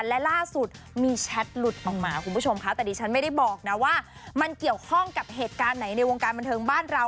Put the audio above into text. และล่าสุดมีแชทหลุดออกมาคุณผู้ชมค่ะแต่ดิฉันไม่ได้บอกนะว่ามันเกี่ยวข้องกับเหตุการณ์ไหนในวงการบันเทิงบ้านเรา